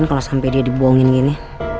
kalau sampai dia dibohongin gini